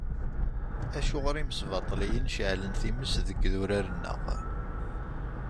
Acuɣer imsbaṭliyen ceεlen times deg yidurar-nneɣ!